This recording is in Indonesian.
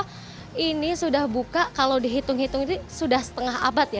karena ini sudah buka kalau dihitung hitung ini sudah setengah abad ya